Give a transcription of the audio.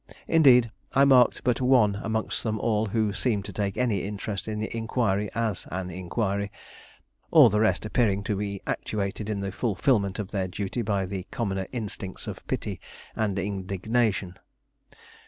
Indeed, I marked but one amongst them all who seemed to take any interest in the inquiry as an inquiry; all the rest appearing to be actuated in the fulfilment of their duty by the commoner instincts of pity and indignation.